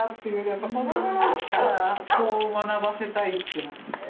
やっぱこどものうちからこう学ばせたいって。